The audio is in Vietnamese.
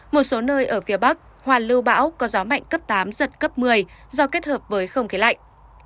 một số nơi ở phía bắc hoàn lưu bão có gió mạnh cấp tám giật cấp một mươi do kết hợp với không khí lạnh